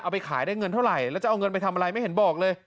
ไปขายได้เงินเท่าไหร่แล้วจะเอาเงินไปทำอะไรไม่เห็นบอกเลย